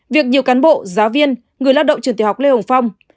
việc nhiều cán bộ giáo viên người lao động trường tiểu học lê hồng phong